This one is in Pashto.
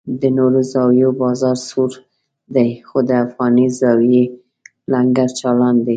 د نورو زاویو بازار سوړ دی خو د افغاني زاویې لنګر چالان دی.